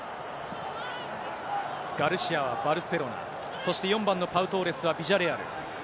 ガルシアはバルセロナ、そして４番のパウ・トーレスはビジャレアル。